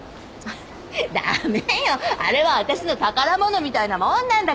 駄目よあれは私の宝物みたいなもんなんだから！